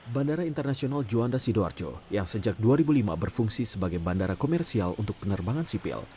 bandara internasional juanda sidoarjo yang sejak dua ribu lima berfungsi sebagai bandara komersial untuk penerbangan sipil